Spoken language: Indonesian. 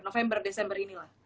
november desember inilah